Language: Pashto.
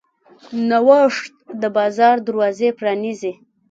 نوښت د بازار دروازې پرانیزي.